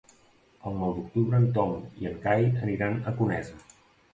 El nou d'octubre en Tom i en Cai aniran a Conesa.